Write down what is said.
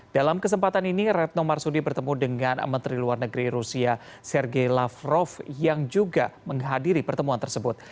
dalam kesempatan ini retno marsudi bertemu dengan menteri luar negeri rusia sergei lavrov yang juga menghadiri pertemuan tersebut